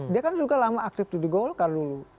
dia kan juga lama aktif di golkar dulu